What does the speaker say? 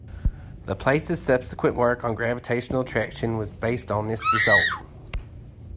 Laplace's subsequent work on gravitational attraction was based on this result.